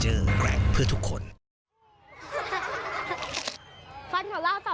ซักการผันอะไรก็ได้